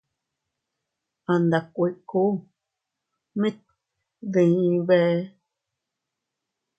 A nda kuiku mit dii bee.